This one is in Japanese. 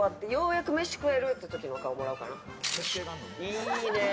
いいね！